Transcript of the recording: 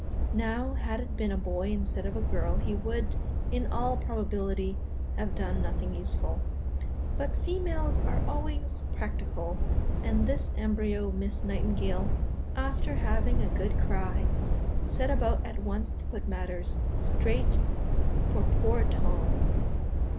Now, had it been a boy instead of a girl, he would, in all probability, have done nothing useful. But females are always practical; and this embryo Miss Nightingale, after having a good cry, set about at once to put matters straight for poor Tom.